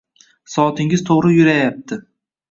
Soatingiz to'g'ri yurayapti.